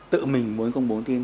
tự mình muốn công bố thông tin